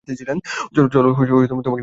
চলো তোমাকে নিরাপদ জায়গায় নিয়ে যাই।